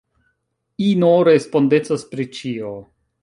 Ino respondecas pri ĉio.